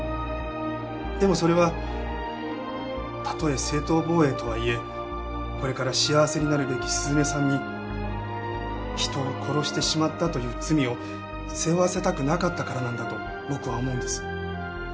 でもそれはたとえ正当防衛とはいえこれから幸せになるべき涼音さんに人を殺してしまったという罪を背負わせたくなかったからなんだと僕は思うんです。